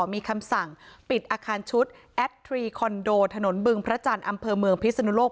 มีคำสั่งปิดอาคารชุดแอดทรีคอนโดถนนบึงพระจันทร์อำเภอเมืองพิศนุโลก